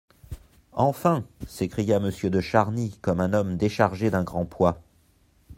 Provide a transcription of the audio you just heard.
Enfin ! s'écria Monsieur de Charny comme un homme déchargé d'un grand poids.